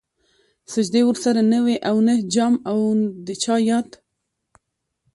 سجدې ورسره نه وې او نه جام او د چا ياد